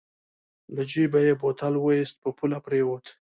له جېبه يې بوتل واېست په پوله پرېوت.